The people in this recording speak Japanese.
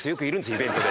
イベントで。